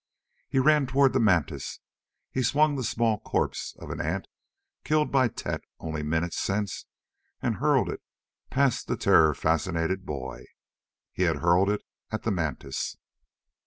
He ran toward the mantis. He swung the small corpse of an ant killed by Tet only minutes since and hurled it past the terror fascinated boy. He had hurled it at the mantis.